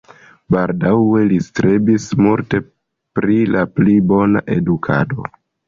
Baldaŭe li strebis multe pri la pli bona edukado.